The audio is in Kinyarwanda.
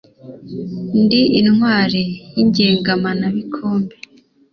Ndi intwari y’ ingemanabikombe